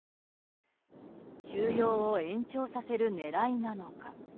収容を延長させる狙いなのか。